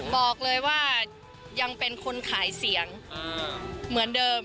บอกเลยว่ายังเป็นคนขายเสียงเหมือนเดิม